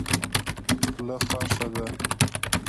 خوله خوښه ده.